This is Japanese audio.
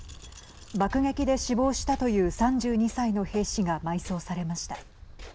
爆撃で死亡したという３２歳の兵士が埋葬されました。